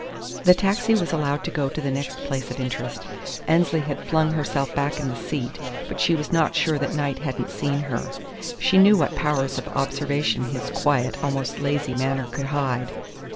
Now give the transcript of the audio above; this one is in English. The taxi was allowed to go on to the next place of interest. Annesley had flung herself back in the seat, but she was not sure that Knight hadn't seen her. She knew what powers of observation his quiet almost lazy manner could hide.